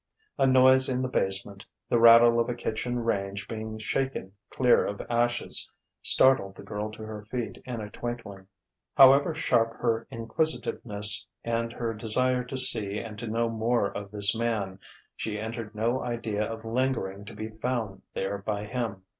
A noise in the basement, the rattle of a kitchen range being shaken clear of ashes, startled the girl to her feet in a twinkling. However sharp her inquisitiveness and her desire to see and to know more of this man, she entertained no idea of lingering to be found there by him....